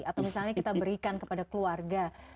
atau misalnya kita berikan kepada keluarga